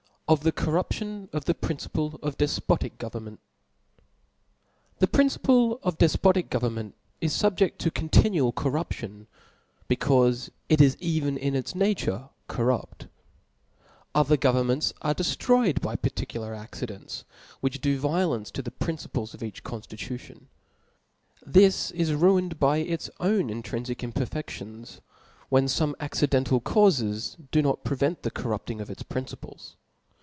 Of the Corruption of the Principle ofdeffotic •' Go'^ernment. ' Tp H.E principle of defpotic government is fub •■ jeft to a continual corruption, becaufe it is even in its nature corrupt. Other governments are deftroyed by particular accidents, which do violence to the principles of each conftitution j this is ruined by its own intrinfic imperfedions, when fome accidental' caufes do not prevent the corrupting of its principles.